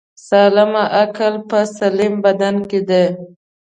سالم عقل په سلیم بدن کی دی